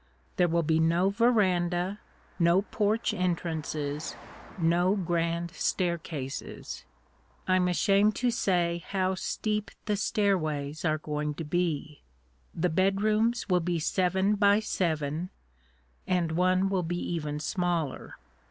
There will be no veranda, no porch entrances, no grand staircases. I'm ashamed to say how steep the stairways are going to be. The bedrooms will be seven by seven, and one will be even smaller.